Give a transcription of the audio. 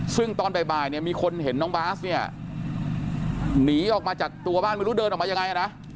ซึ่งตอนบ่ายเนี่ยมีคนเห็นน้องบาสเนี่ยหนีออกมาจากตัวบ้านไม่รู้เดินออกมายังไงนะ